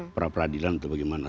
peradilan atau bagaimana